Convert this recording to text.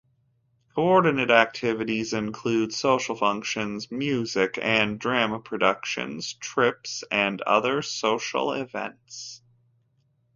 Coordinate activities include social functions, music and drama productions, trips, and other social events.